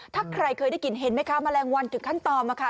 ถ้าใครเคยได้กินเห็นไหมคะแมลงวันถึงขั้นตอนค่ะ